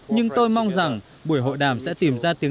nhưng tôi mong rằng buổi hội đàm sẽ tìm ra tiềm thức